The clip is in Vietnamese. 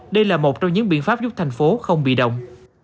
đây là một trong những biện pháp giúp thành phố không bị động